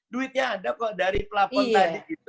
duitnya ada kok dari pelabur tadi